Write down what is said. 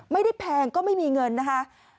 ไม่ได้แพงก็ไม่มีเงินนะคะ